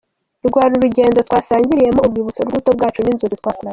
Rwari urugendo twasangiriyemo urwibutso rw’ubuto bwacu n’inzozi twakuranye.